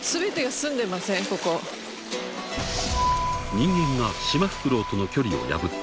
［人間がシマフクロウとの距離を破った］